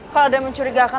kalau ada yang mencurigakan